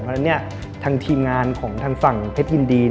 เพราะฉะนั้นทางทีมงานของทางฝั่งเพชรยินดี